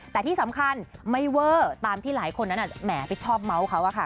แต่ที่สำคัญไม่เวอร์ตามที่หลายคนนั้นแหมไปชอบเมาส์เขาอะค่ะ